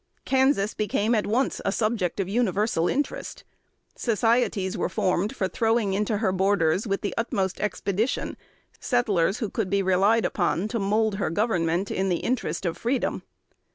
Kansas became at once a subject of universal interest. Societies were formed for throwing into her borders, with the utmost expedition, settlers who could be relied upon to mould her government in the interest of freedom.